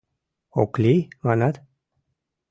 — Ок лий, манат?!